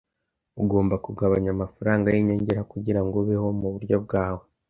Ugomba kugabanya amafaranga yinyongera kugirango ubeho muburyo bwawe.